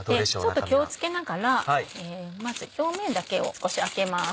ちょっと気を付けながらまず表面だけを少し開けます。